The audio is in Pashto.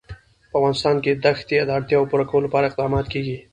په افغانستان کې د دښتې د اړتیاوو پوره کولو لپاره اقدامات کېږي.